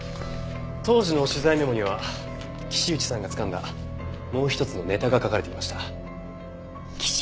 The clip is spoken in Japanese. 当時の取材メモには岸内さんがつかんだもう一つのネタが書かれていました。